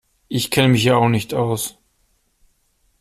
Ich kenne mich hier auch nicht aus.